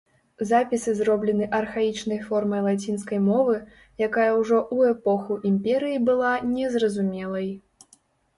Запісы зроблены архаічнай формай лацінскай мовы, якая ўжо ў эпоху імперыі была незразумелай.